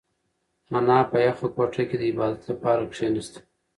انا په یخه کوټه کې د عبادت لپاره کښېناسته.